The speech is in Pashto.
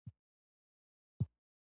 دوکاندار د صداقت له مخې پیسې اخلي.